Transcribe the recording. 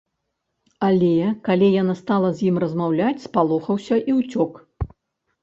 Але, калі яна стала з ім размаўляць, спалохаўся і ўцёк.